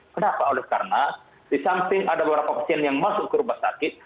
kenapa oleh karena di samping ada beberapa pasien yang masuk ke rumah sakit